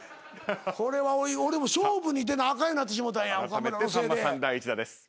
これは俺も勝負に出なあかんようになってしもうたんや岡村のせいで。